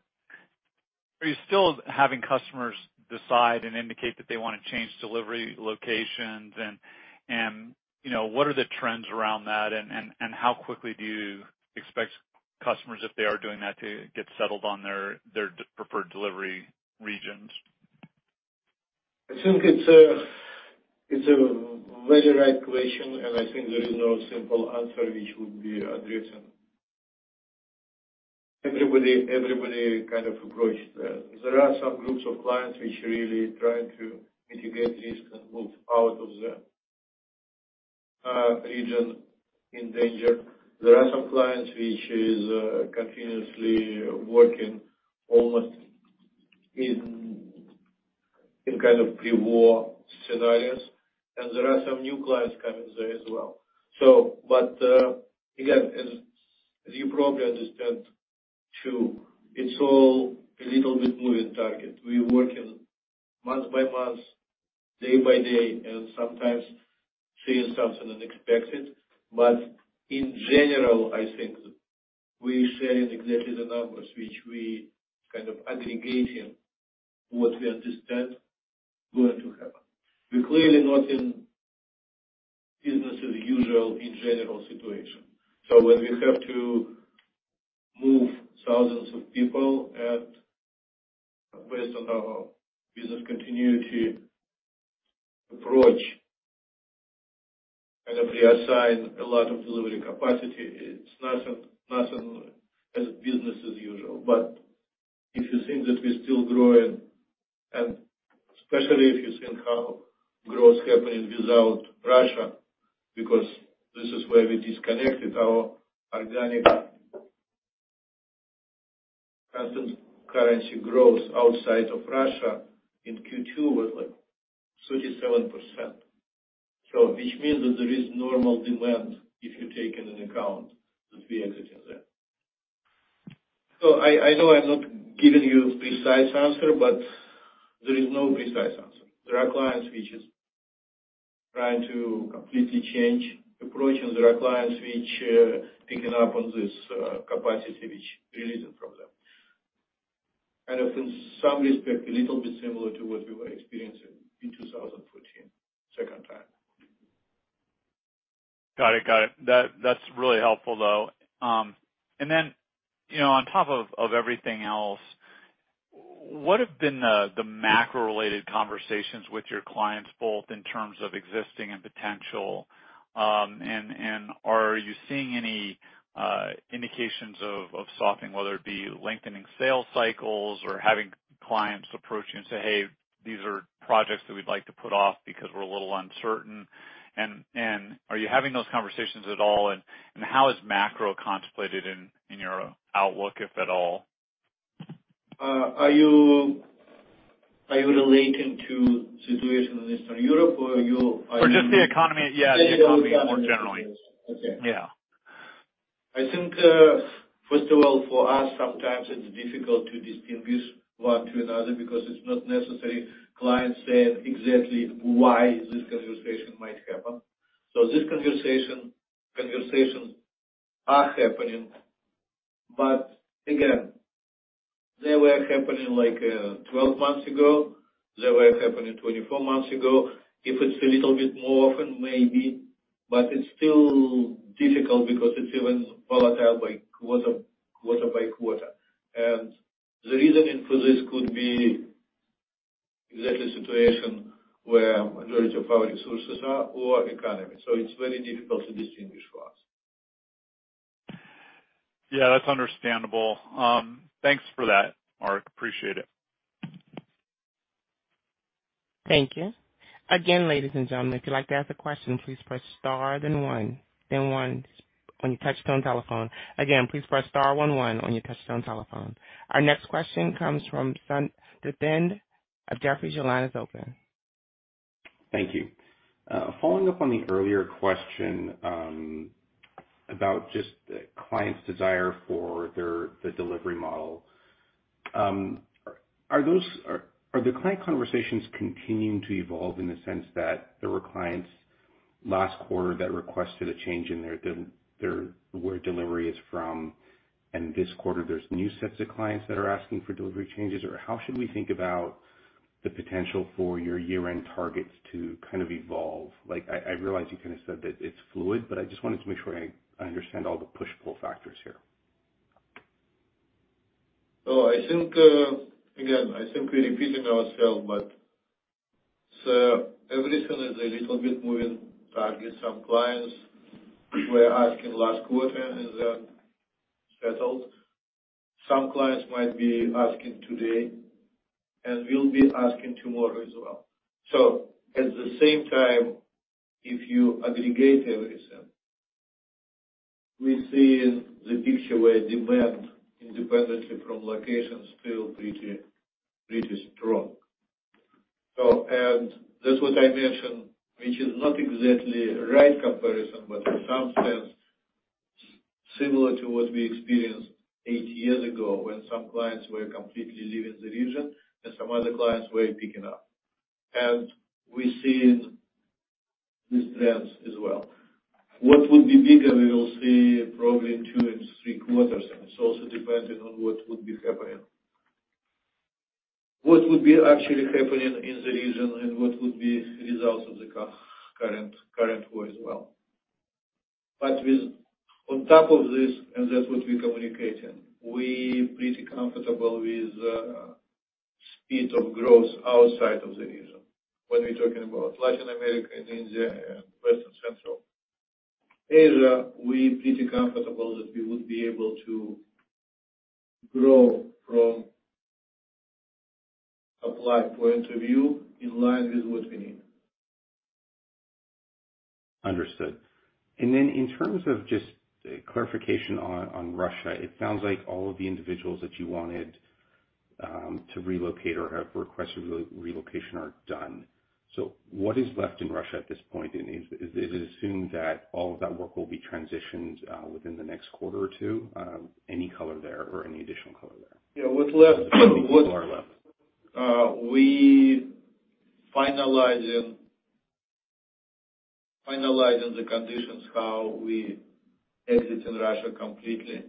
Are you still having customers decide and indicate that they wanna change delivery locations? And you know, what are the trends around that and how quickly do you expect customers, if they are doing that, to get settled on their preferred delivery regions? I think it's a very right question, and I think there is no simple answer which would be addressing. Everybody kind of approached that. There are some groups of clients which really trying to mitigate risk and move out of the region in danger. There are some clients which is continuously working almost in kind of pre-war scenarios, and there are some new clients coming there as well. Again, as you probably understand too, it's all a little bit moving target. We're working month by month, day by day, and sometimes seeing something unexpected. In general, I think we're sharing exactly the numbers which we kind of aggregating what we understand going to happen. We're clearly not in business as usual in general situation. When we have to move thousand of people and based on our business continuity approach, and if we assign a lot of delivery capacity, it's nothing as business as usual. If you think that we're still growing, and especially if you think how growth happening without Russia, because this is where we disconnected our organic constant currency growth outside of Russia in Q2 was like 37%. Which means that there is normal demand if you take into account that we exiting there. I know I'm not giving you precise answer, but there is no precise answer. There are clients which is trying to completely change approach, and there are clients which picking up on this capacity which releasing from them. In some respect, a little bit similar to what we were experiencing in 2014, second time. Got it. That's really helpful though. You know, on top of everything else, what have been the macro related conversations with your clients, both in terms of existing and potential? Are you seeing any indications of softening, whether it be lengthening sales cycles or having clients approach you and say, "Hey, these are projects that we'd like to put off because we're a little uncertain." Are you having those conversations at all? How is macro contemplated in your outlook, if at all? Are you relating to situation in Eastern Europe or are you? For just the economy, yeah, the economy more generally. Okay. Yeah. I think, first of all, for us sometimes it's difficult to distinguish one from another because it's not necessarily clients saying exactly why this conversation might happen. This conversation, conversations are happening, but again, they were happening like, 12 months ago. They were happening 24 months ago. If it's a little bit more often, maybe, but it's still difficult because it's even volatile by quarter by quarter. The reasoning for this could be exactly situation where majority of our resources are or economy. It's very difficult to distinguish for us. Yeah, that's understandable. Thanks for that, Mark. Appreciate it. Thank you. Again, ladies and gentlemen, if you'd like to ask a question, please press star then one, then one on your touchtone telephone. Again, please press star one one on your touchtone telephone. Our next question comes from Surinder Thind of Jefferies. Your line is open. Thank you. Following up on the earlier question, about just the client's desire for their, the delivery model. Are the client conversations continuing to evolve in the sense that there were clients last quarter that requested a change in their, where delivery is from, and this quarter there's new sets of clients that are asking for delivery changes? Or how should we think about the potential for your year-end targets to kind of evolve? Like I realize you kinda said that it's fluid, but I just wanted to make sure I understand all the push-pull factors here. I think, again, I think we're repeating ourselves, but everything is a little bit moving target. Some clients were asking last quarter, and they're settled. Some clients might be asking today and will be asking tomorrow as well. At the same time, if you aggregate everything, we see in the picture where demand independently from location is still pretty strong. That's what I mentioned, which is not exactly right comparison, but in some sense similar to what we experienced eight years ago when some clients were completely leaving the region and some other clients were picking up. We're seeing these trends as well. What would be bigger, we will see probably in two and three quarters, and it's also dependent on what would be happening. What would be actually happening in the region and what would be results of the current war as well. With, on top of this, and that's what we're communicating, we're pretty comfortable with speed of growth outside of the region. When we're talking about Latin America and India and Western Central Asia, we're pretty comfortable that we would be able to grow from applied point of view in line with what we need. Understood. Then in terms of just clarification on Russia, it sounds like all of the individuals that you wanted to relocate or have requested relocation are done. What is left in Russia at this point? Is it assumed that all of that work will be transitioned within the next quarter or two? Any color there or any additional color there? Yeah. What's left what People are left. We're finalizing the conditions how we're exiting Russia completely.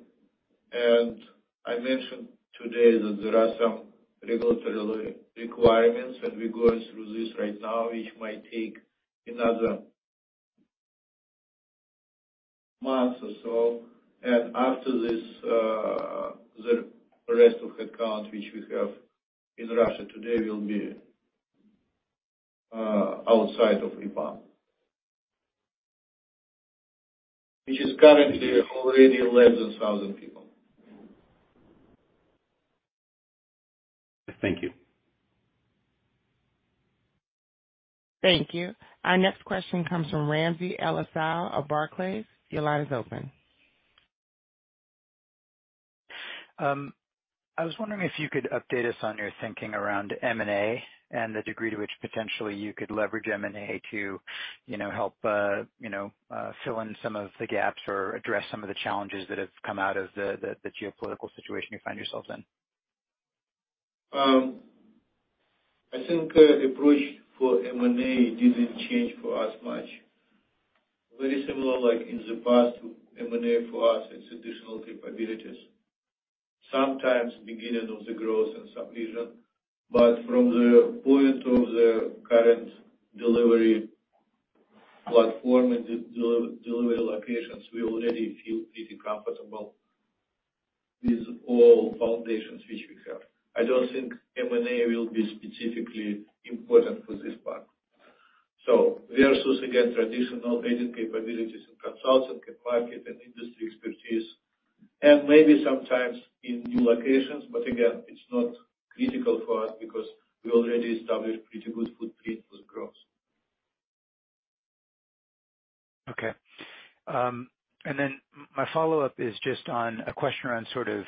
I mentioned today that there are some regulatory requirements, and we're going through this right now, which might take another month or so. After this, the rest of headcount which we have in Russia today will be outside of EPAM. Which is currently already less than 1,000 people. Thank you. Thank you. Our next question comes from Ramsey El-Assal of Barclays. Your line is open. I was wondering if you could update us on your thinking around M&A and the degree to which potentially you could leverage M&A to, you know, help, you know, fill in some of the gaps or address some of the challenges that have come out of the geopolitical situation you find yourselves in. I think approach for M&A didn't change for us much. Very similar like in the past, M&A for us, it's additional capabilities. Sometimes beginning of the growth in some region, but from the point of the current delivery platform and delivery locations, we already feel pretty comfortable with all foundations which we have. I don't think M&A will be specifically important for this part. We are sourcing, again, traditional augment capabilities and consulting capability and industry expertise, and maybe sometimes in new locations, but again, it's not critical for us because we already established pretty good footprint with growth. My follow-up is just on a question around sort of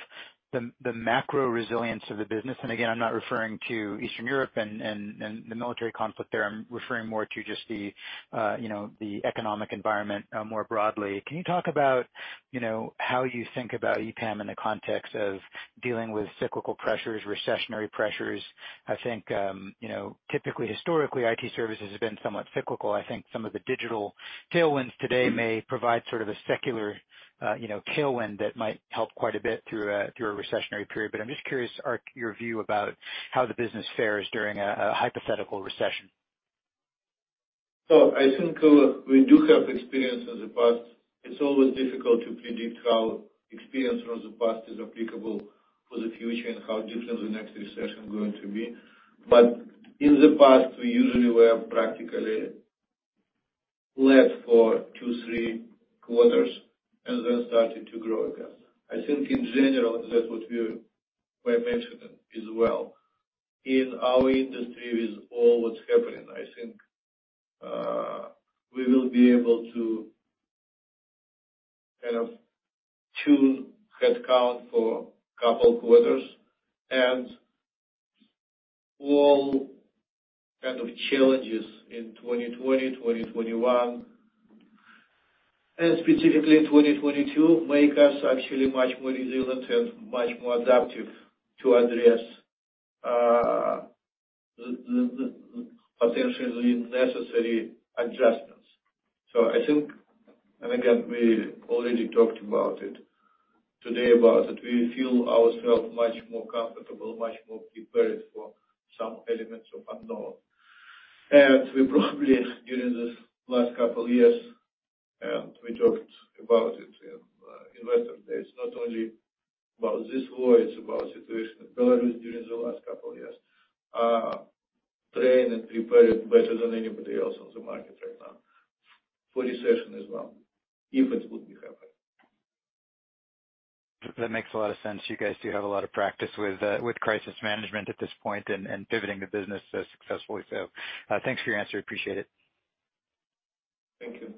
the macro resilience of the business. Again, I'm not referring to Eastern Europe and the military conflict there. I'm referring more to just the, you know, the economic environment more broadly. Can you talk about, you know, how you think about EPAM in the context of dealing with cyclical pressures, recessionary pressures? I think, you know, typically historically, IT services have been somewhat cyclical. I think some of the digital tailwinds today may provide sort of a secular, you know, tailwind that might help quite a bit through a recessionary period. I'm just curious, your view about how the business fares during a hypothetical recession. I think we do have experience in the past. It's always difficult to predict how experience from the past is applicable for the future and how different the next recession is going to be. In the past, we usually were practically flat for two to three quarters and then started to grow again. I think in general, that what we were mentioning as well. In our industry, with all that's happening, I think we will be able to kind of tune headcount for couple quarters. All kind of challenges in 2020, 2021, and specifically in 2022, make us actually much more resilient and much more adaptive to address potentially necessary adjustments. I think, and again, we already talked about it, today about it, we feel ourselves much more comfortable, much more prepared for some elements of unknown. We probably, during the last couple years, and we talked about it in Investor Day. It's not only about this war, it's about situation in Belarus during the last couple years. We are trained and prepared better than anybody else on the market right now for recession as well, if it would be happening. That makes a lot of sense. You guys do have a lot of practice with crisis management at this point and pivoting the business successfully. So, thanks for your answer. Appreciate it. Thank you.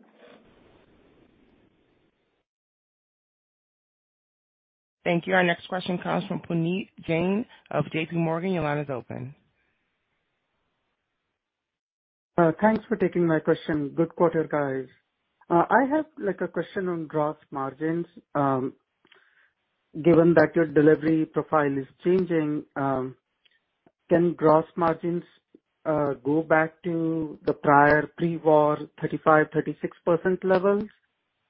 Thank you. Our next question comes from Puneet Jain of J.P. Morgan. Your line is open. Thanks for taking my question. Good quarter, guys. I have, like, a question on gross margins. Given that your delivery profile is changing, can gross margins go back to the prior pre-war 35%-36% levels?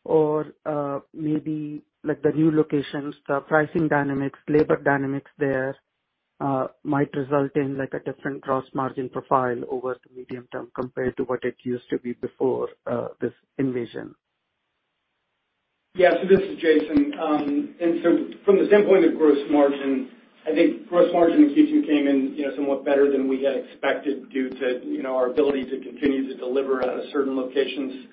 Or, maybe like the new locations, the pricing dynamics, labor dynamics there, might result in like a different gross margin profile over the medium term compared to what it used to be before, this invasion. Yeah. This is Jason. From the standpoint of gross margin, I think gross margin in Q2 came in, you know, somewhat better than we had expected due to, you know, our ability to continue to deliver out of certain locations,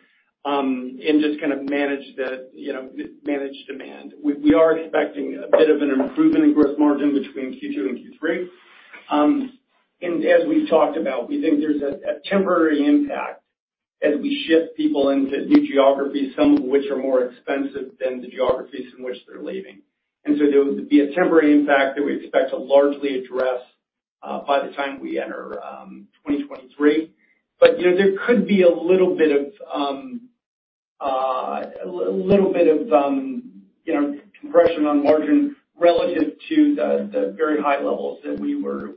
and just kind of manage the, you know, manage demand. We are expecting a bit of an improvement in gross margin between Q2 and Q3. As we've talked about, we think there's a temporary impact as we shift people into new geographies, some of which are more expensive than the geographies in which they're leaving. There would be a temporary impact that we expect to largely address by the time we enter 2023. You know, there could be a little bit of, you know, compression on margin relative to the very high levels that we were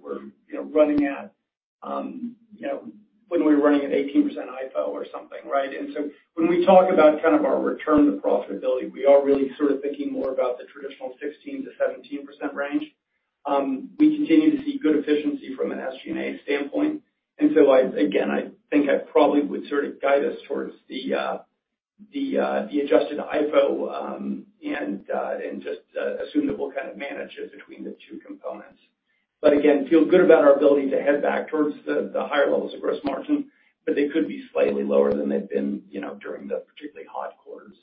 running at, you know, when we were running at 18% IFO or something, right? When we talk about kind of our return to profitability, we are really sort of thinking more about the traditional 16%-17% range. We continue to see good efficiency from an SG&A standpoint, and so I, again, I think I probably would sort of guide us towards the adjusted IFO, and just assume that we'll kind of manage it between the two components. Again, feel good about our ability to head back towards the higher levels of gross margin, but they could be slightly lower than they've been, you know, during the particularly hot quarters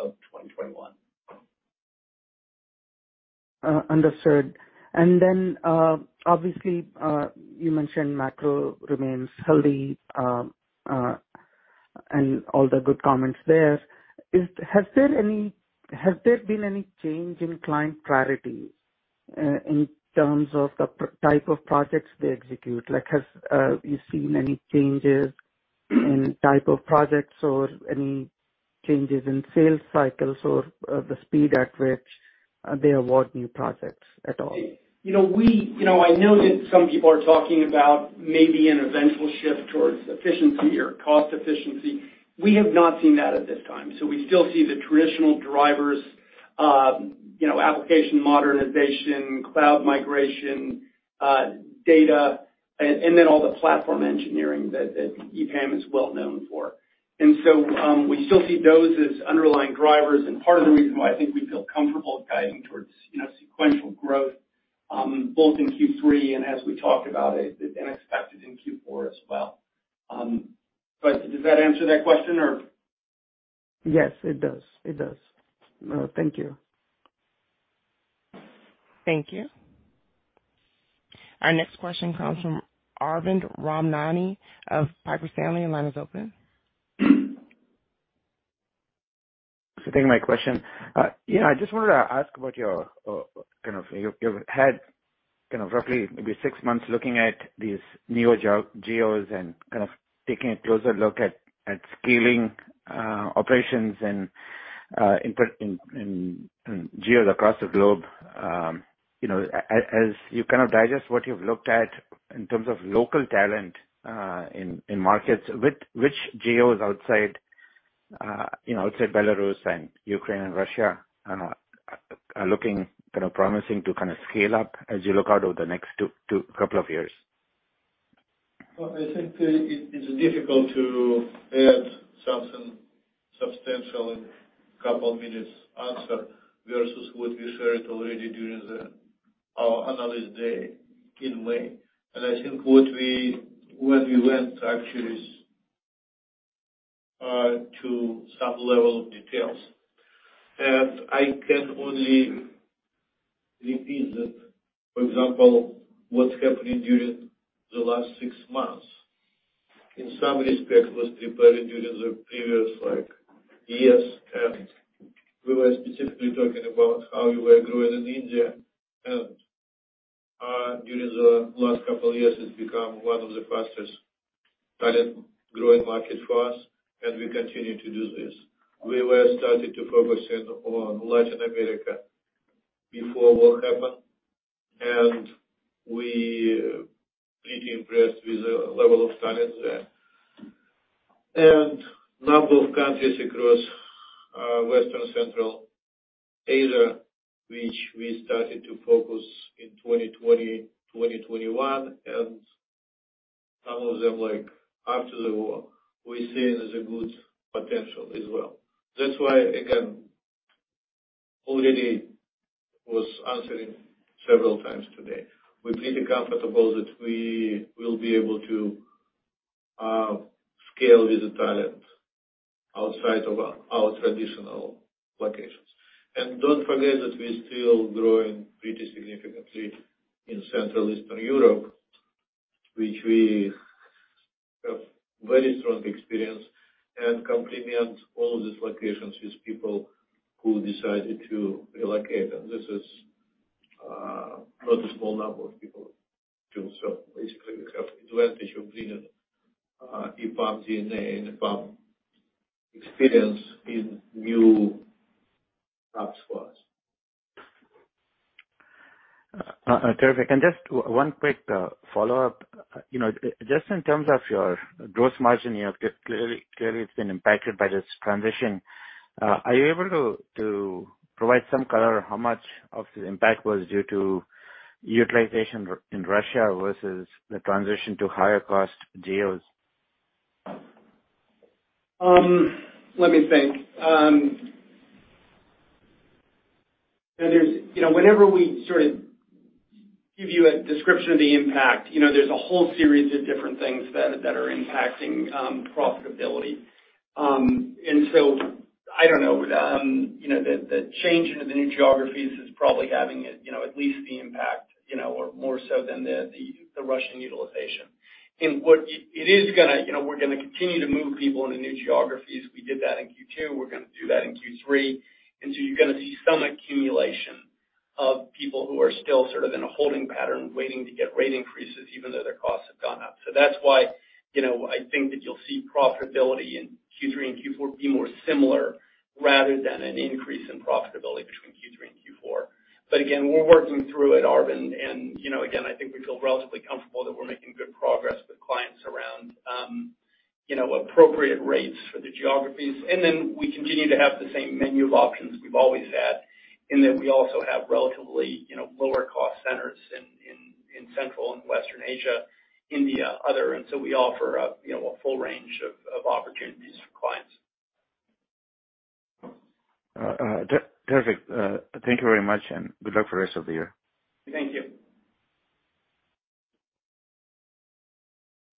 of 2021. Understood. Obviously, you mentioned macro remains healthy and all the good comments there. Has there been any change in client priority in terms of the type of projects they execute? Like, have you seen any changes in type of projects or any changes in sales cycles or the speed at which they award new projects at all? You know, we you know, I know that some people are talking about maybe an eventual shift towards efficiency or cost efficiency. We have not seen that at this time. We still see the traditional drivers, you know, application modernization, cloud migration, data, and then all the platform engineering that EPAM is well known for. We still see those as underlying drivers, and part of the reason why I think we feel comfortable guiding towards, you know, sequential growth, both in Q3 and as we talked about it, and expected in Q4 as well. Does that answer that question or? Yes, it does. Thank you. Thank you. Our next question comes from Arvind Ramnani of Piper Sandler. Your line is open. Thank you for taking my question. Yeah, I just wanted to ask about you've had kind of roughly maybe six months looking at these new geos and kind of taking a closer look at scaling operations in geos across the globe. You know, as you kind of digest what you've looked at in terms of local talent in markets, which geos outside you know outside Belarus and Ukraine and Russia are looking kind of promising to kinda scale up as you look out over the next two couple of years? Well, I think it is difficult to add something substantial in a couple of minutes answer versus what we shared already during our Analyst Day in May. I think when we went actually is to some level of details. I can only repeat that, for example, what's happening during the last six months, in some respects was prepared during the previous, like, years. We were specifically talking about how we were growing in India. During the last couple years, it's become one of the fastest talent growing market for us, and we continue to do this. We were starting to focus in on Latin America before war happened, and we pretty impressed with the level of talent there. Number of countries across Western Central Asia, which we started to focus in 2020, 2021, and some of them, like, after the war, we're seeing there's a good potential as well. That's why, again, already was answering several times today. We're pretty comfortable that we will be able to scale with the talent outside of our traditional locations. Don't forget that we're still growing pretty significantly in Central Eastern Europe, which we have very strong experience and complement all of these locations with people who decided to relocate. This is not a small number of people too. Basically, we have advantage of bringing EPAM DNA and EPAM experience in new hubs for us. Terrific. Just one quick follow-up. You know, just in terms of your gross margin, you have just clearly it's been impacted by this transition. Are you able to provide some color how much of the impact was due to utilization in Russia versus the transition to higher cost geos? Let me think. Now, whenever we sort of give you a description of the impact, you know, there's a whole series of different things that are impacting profitability. I don't know. You know, the change into the new geographies is probably having a you know at least the impact you know or more so than the Russian utilization. What it is gonna, you know, we're gonna continue to move people into new geographies. We did that in Q2. We're gonna do that in Q3. You're gonna see some accumulation of people who are still sort of in a holding pattern waiting to get rate increases even though their costs have gone up. That's why, you know, I think that you'll see profitability in Q3 and Q4 be more similar rather than an increase in profitability between Q3 and Q4. Again, we're working through it, Arvind, and, you know, again, I think we feel relatively comfortable that we're making good progress with clients around, you know, appropriate rates for the geographies. Then we continue to have the same menu of options we've always had, in that we also have relatively, you know, lower cost centers in Central and Western Asia, India, other. We offer a, you know, a full range of opportunities for clients. Terrific. Thank you very much, and good luck for the rest of the year. Thank you.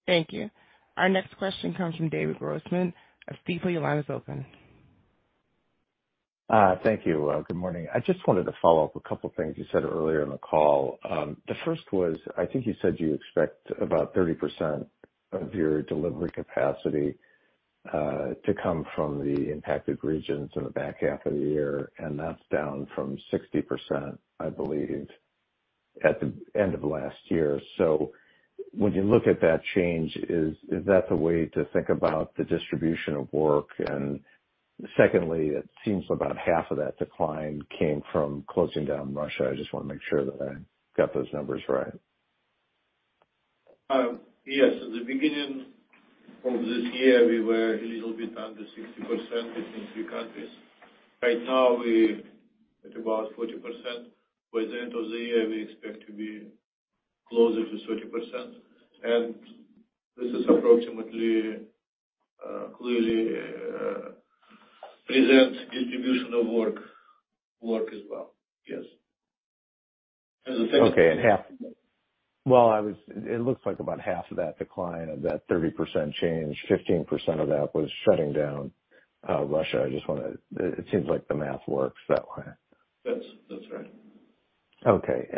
Thank you. Our next question comes from David Grossman of Stifel. Your line is open. Thank you. Good morning. I just wanted to follow up a couple things you said earlier in the call. The first was, I think you said you expect about 30% of your delivery capacity to come from the impacted regions in the back half of the year, and that's down from 60%, I believe, at the end of last year. When you look at that change, is that the way to think about the distribution of work? Secondly, it seems about half of that decline came from closing down Russia. I just wanna make sure that I got those numbers right. Yes. At the beginning of this year, we were a little bit under 60% between three countries. Right now, we are at about 40%. By the end of the year, we expect to be closer to 30%. This is approximately clearly present distribution of work as well. Yes. The second. Okay. It looks like about half of that decline of that 30% change, 15% of that was shutting down Russia. I just wanna. It seems like the math works that way. That's right. Okay.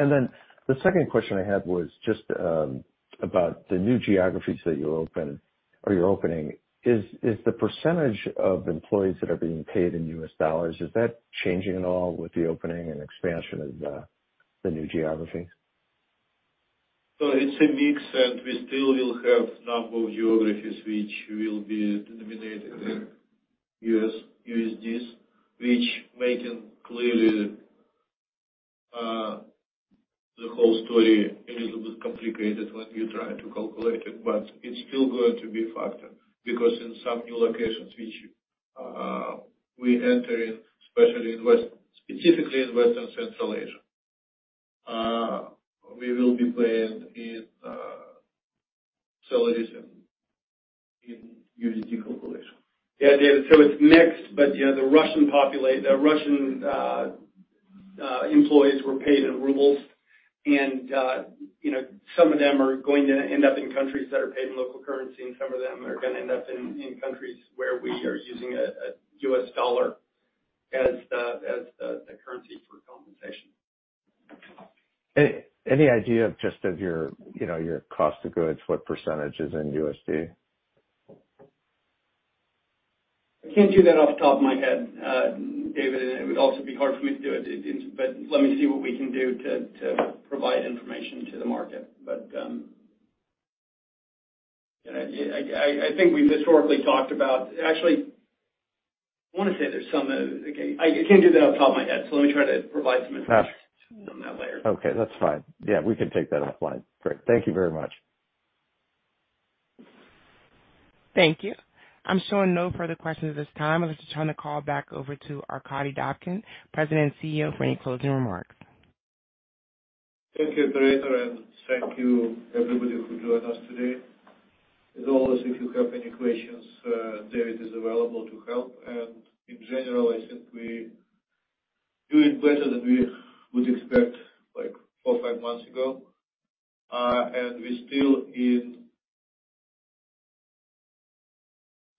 The second question I had was just about the new geographies that you opened or you're opening. Is the percentage of employees that are being paid in U.S. dollars changing at all with the opening and expansion of the new geographies? It's a mix, and we still will have a number of geographies which will be denominated in USD, which is making clearly the whole story a little bit complicated when you try to calculate it. It's still going to be a factor because in some new locations which we enter in, especially specifically in Western Central Asia, we will be paying salaries in USD calculation. Yeah, David. It's mixed. You know, the Russian employees were paid in rubles. You know, some of them are going to end up in countries where they are paid in local currency, and some of them are going to end up in countries where we are using a U.S. dollar as the currency for compensation. Any idea of just your, you know, your cost of goods, what percentage is in USD? I can't do that off the top of my head, David, and it would also be hard for me to do it. Let me see what we can do to provide information to the market. I think we've historically talked about. Actually, I wanna say there's some, again, I can't do that off the top of my head, so let me try to provide some information on that later. Okay, that's fine. Yeah, we can take that offline. Great. Thank you very much. Thank you. I'm showing no further questions at this time. I'll just turn the call back over to Arkadiy Dobkin, President and CEO, for any closing remarks. Thank you, operator, and thank you everybody who joined us today. As always, if you have any questions, David is available to help. In general, I think we doing better than we would expect, like, four, five months ago. We still in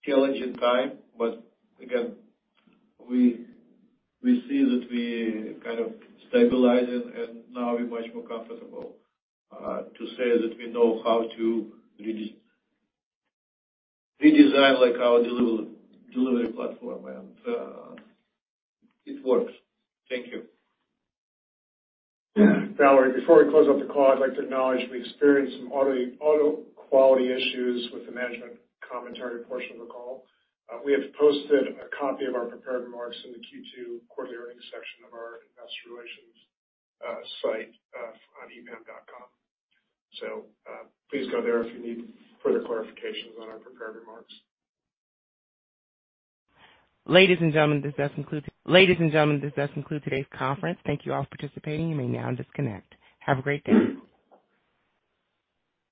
challenging time, but again, we see that we kind of stabilizing, and now we're much more comfortable to say that we know how to redesign, like, our delivery platform and it works. Thank you. Valerie, before we close off the call, I'd like to acknowledge we experienced some audio quality issues with the management commentary portion of the call. We have posted a copy of our prepared remarks in the Q2 quarterly earnings section of our investor relations site on epam.com. Please go there if you need further clarifications on our prepared remarks. Ladies and gentlemen, this does conclude today's conference. Thank you all for participating. You may now disconnect. Have a great day.